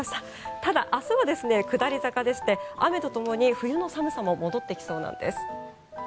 ただ、明日は下り坂でして雨とともに冬の寒さも戻ってきそうなんです。